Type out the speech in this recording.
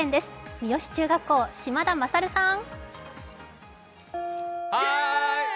三芳中学校、島田優さん。